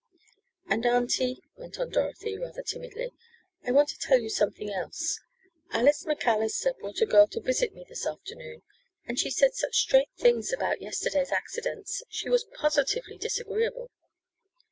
"And auntie," went on Dorothy, rather timidly, "I want to tell you something else, Alice MacAllister brought a girl to visit me this afternoon, and she said such strange things about yesterday's accidents. She was positively disagreeable."